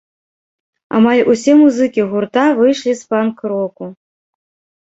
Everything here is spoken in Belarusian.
Амаль усе музыкі гурта выйшлі з панк-року.